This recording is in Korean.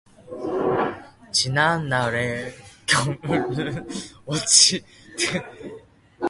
지난날의 경우는 어찌 되었든 맨 먼저 생각나는 사람이 건배였다.